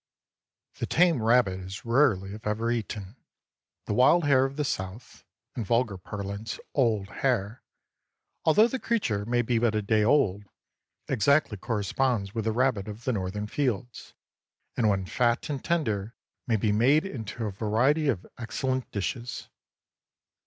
The tame rabbit is rarely if ever eaten. The wild hare of the South—in vulgar parlance, "old hare," although the creature may be but a day old—exactly corresponds with the rabbit of the Northern fields, and when fat and tender may be made into a variety of excellent dishes.